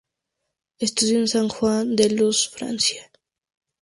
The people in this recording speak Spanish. Estudió en San Juan de Luz, Francia.